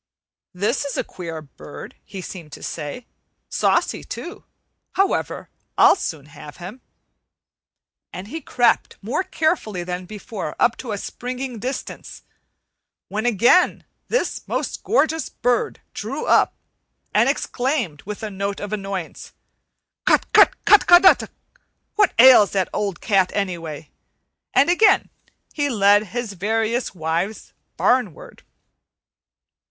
"This is a queer bird," he seemed to say; "saucy, too. However, I'll soon have him," and he crept more carefully than before up to springing distance, when again this most gorgeous bird drew up and exclaimed, with a note of annoyance: "Cut cut cut, ca dah cut! What ails that old cat, anyway?" And again he led his various wives barn ward.